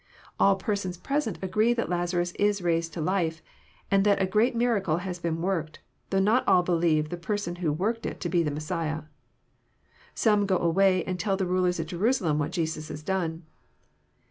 All persons present agree that Lazarus is raised to life, and that a great miracle has been worked, though not all believe the person who worked it to be the Messiah. Some go away and tell the rulers at Jerusalem what Jesus has done.